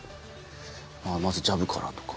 「まずジャブから」とか。